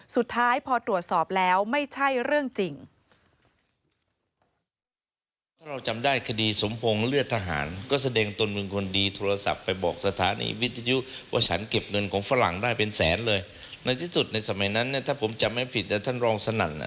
สุดท้ายพอตรวจสอบแล้วไม่ใช่เรื่องจริง